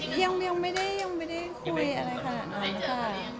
คนนี้เขาให้ดีกันไหมยังไม่ได้คุยอะไรขนาดนั้นค่ะ